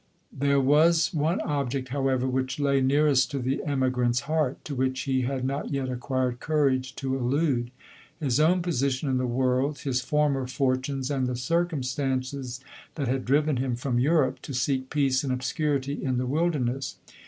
There was one object, however, which lay nearest to the emigrant's heart, to which he had not yet acquired courage to allude; his own 70 EODORE. position in the world, his former fortunes, and the circumstances that had driven him from Europe, to seek peace and obscurity in the wil derness.